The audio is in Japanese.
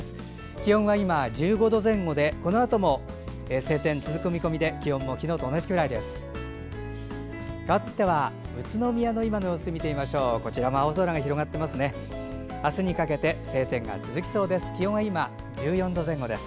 気温は今１５度前後でこのあとも晴天続く見込みで気温も昨日と同じくらいです。